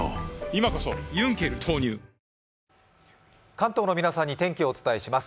関東の皆さんに天気をお伝えします。